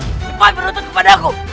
cepat beruntut kepada aku